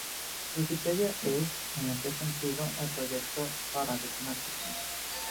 Wikipedia es, en este sentido, el proyecto paradigmático.